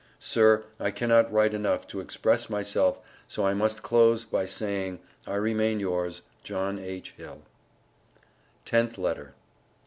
Sir I cannot write enough to express myself so I must close by saying I Remain yours. JOHN H. HILL. TENTH LETTER.